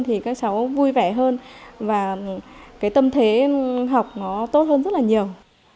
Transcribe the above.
thì các cháu vui vẻ hơn và cái tâm thế học nó tốt hơn rất là nhiều